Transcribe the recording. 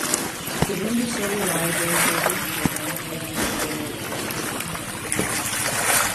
The wind is so reliable that wind turbines are used to generate electricity.